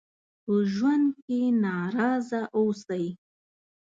په ژوند کې ناراضه اوسئ.